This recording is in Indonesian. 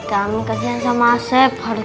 kami kesian sama asep ya ustadz